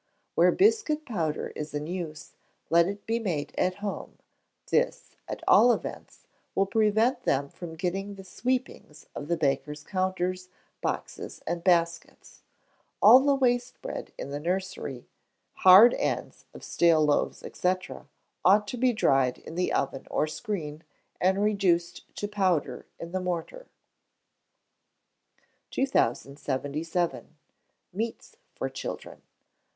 Where biscuit powder is in use, let it be made at home; this, at all events, will prevent them getting the sweepings of the baker's counters, boxes, and baskets, All the waste bread in the nursery, hard ends of stale loaves, &c., ought to be dried in the oven or screen, and reduced to powder in the mortar. 2077. Meats for Children.